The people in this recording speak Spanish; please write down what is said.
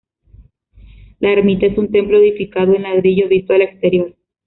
La ermita es un templo edificado en ladrillo visto al exterior.